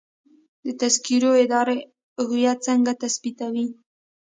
د تذکرو اداره هویت څنګه تثبیتوي؟